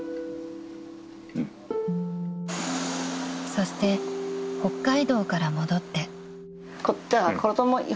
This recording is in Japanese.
［そして北海道から戻って］